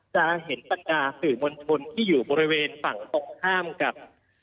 จะเห็นบรรดาสื่อมวลชนที่อยู่บริเวณฝั่งตรงข้ามกับ